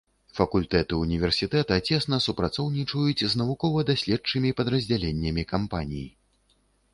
Факультэты універсітэта цесна супрацоўнічаюць з навукова-даследчымі падраздзяленнямі кампаній.